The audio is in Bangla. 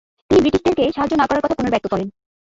তিনি ব্রিটিশদেরকে সাহায্য না করার কথা পুনর্ব্যক্ত করেন।